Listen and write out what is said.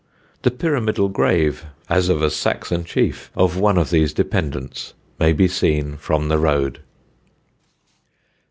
The pyramidal grave (as of a Saxon chief) of one of these dependants may be seen from the road.